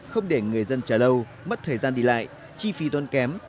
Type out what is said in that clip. không để người dân trả lâu mất thời gian đi lại chi phí tuân kém